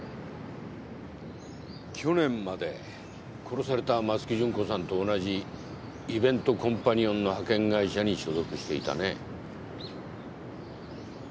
去年まで殺された松木順子さんと同じイベントコンパニオンの派遣会社に所属していたね？